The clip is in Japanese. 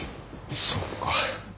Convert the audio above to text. そうか。